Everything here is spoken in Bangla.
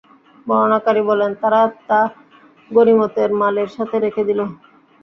বর্ণনাকারী বলেন, তারা তা গনীমতের মালের সাথে রেখে দিল।